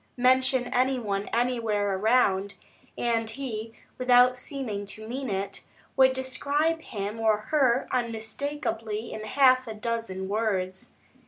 Mention any one anywhere around, and he, without seeming to mean it, would describe him or her unmistakably in half a dozen words.